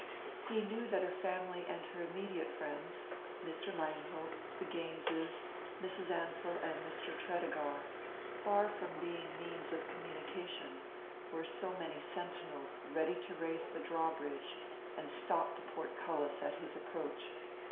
He knew that her family and her immediate friends Mr. Langhope, the Gaineses, Mrs. Ansell and Mr. Tredegar far from being means of communication, were so many sentinels ready to raise the drawbridge and drop the portcullis at his approach.